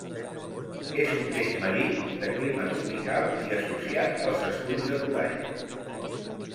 És un peix marí, de clima tropical i associat als esculls de corall.